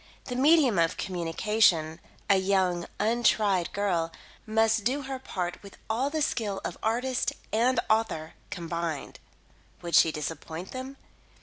The medium of communication (a young, untried girl) must do her part with all the skill of artist and author combined. Would she disappoint them?